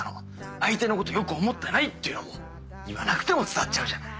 相手のこと良く思ってないっていうのも言わなくても伝わっちゃうじゃない。